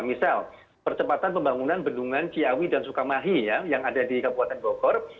misal percepatan pembangunan bendungan ciawi dan sukamahi ya yang ada di kabupaten bogor